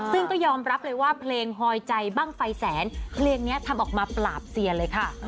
ซึ่งก็ยอมรับเลยว่าเพลงฮอยใจบ้างไฟแสนเพลงนี้ทำออกมาปราบเซียนเลยค่ะ